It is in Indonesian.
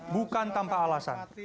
bukan tanpa alasan